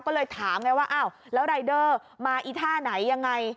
ก็เลยถามไงว่าอ้าวแล้วรายเดอร์มาอีท่าไหนยังไง